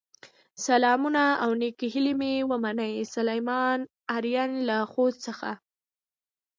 سلامونه او نیکې هیلې مې ومنئ، سليمان آرین له خوست څخه